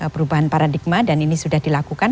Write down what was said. perubahan paradigma dan ini sudah dilakukan